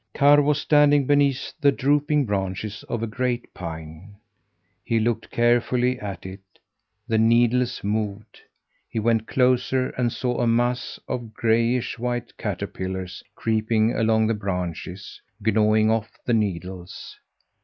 Karr was standing beneath the drooping branches of a great pine. He looked carefully at it; the needles moved. He went closer and saw a mass of grayish white caterpillars creeping along the branches, gnawing off the needles.